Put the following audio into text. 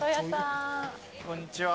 こんにちは。